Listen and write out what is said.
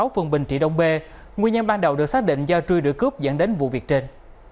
phường bình trị đông bê nguyên nhân ban đầu được xác định do truy đuổi cướp dẫn đến vụ việc trên